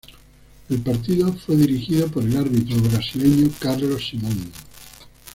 El partido fue dirigido por el árbitro brasileño Carlos Simon.